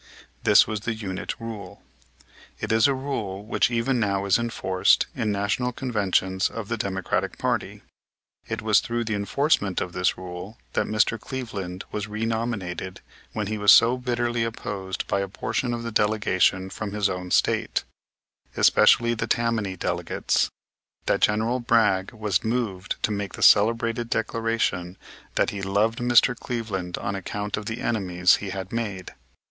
This was the unit rule. It is a rule which even now is enforced in National Conventions of the Democratic party. It was through the enforcement of this rule that Mr. Cleveland was renominated, when he was so bitterly opposed by a portion of the delegation from his own State, especially the Tammany delegates, that General Bragg was moved to make the celebrated declaration that he "loved Mr. Cleveland on account of the enemies he had made."